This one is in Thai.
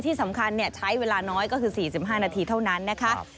ที่สำคัญใช้เวลาน้อยก็คือ๔๕นาทีเท่านั้นนะคะ